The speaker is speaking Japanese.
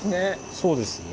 そうですね。